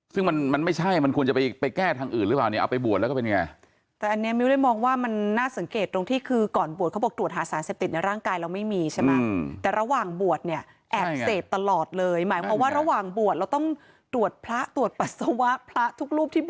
ซึ่งมันไม่ใช่มันควรจะไปแก้ทางอื่นหรือเปล่าเนี่ยเอาไปบวชแล้วก็เป็นไง